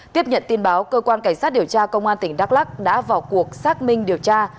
tiếp nhận tin báo cơ quan cảnh sát điều tra công an tỉnh đắk lắc đã vào cuộc xác minh điều tra